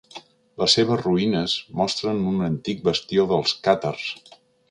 Les seves ruïnes mostren un antic bastió dels càtars.